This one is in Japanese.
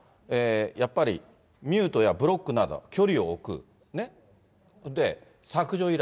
やっぱり、ミュートやブロックなど距離を置く、削除依頼。